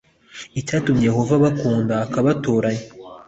“Icyatumye Yehova abakunda akabatoranya